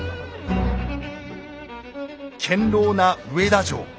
堅牢な上田城